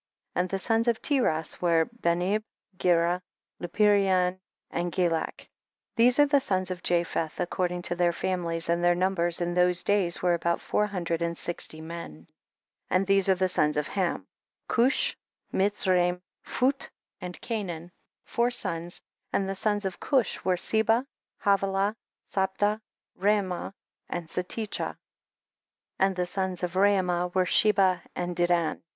And the sons of Tiras were Benib, Gera, Lupirion and Gilak ; these are the sons of Japheth ac cording to their families, and their numbers in those days were about four hundred and sixty men. 10. And these are the sons of Ham ; Cush, Mitzraim, Phut and Canaan, four sons ; and the sons of Cush were Seba, Havilah, Sabta, Raama and Satecha, and the sons o f Raama were Sheba and Dedan. 1 ]